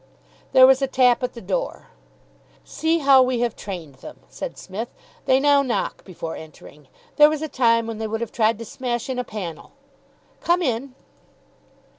There was a tap at the door. "See how we have trained them," said Psmith. "They now knock before entering. There was a time when they would have tried to smash in a panel. Come in."